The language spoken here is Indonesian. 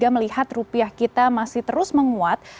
melihat rupiah kita masih terus menguat